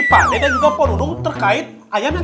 pakde dan juga polunung terkait ayam goreng